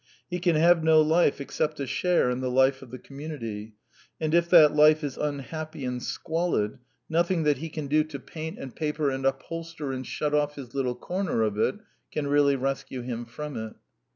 He can have no life except a share in the life of the community; and if that life is unhappy and squalid, nothing that he can do to paint and The Four Last Plays 157 paper and upholster and shut off his little corner of it can really rescue him from it.